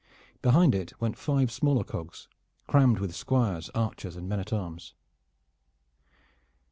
Behind it went five smaller cogs crammed with squires, archers and men at arms.